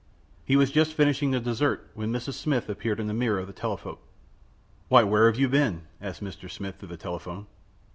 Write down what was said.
He was just finishing the dessert when Mrs. Smith appeared in the mirror of the telephote. "Why, where have you been?" asked Mr. Smith through the telephone.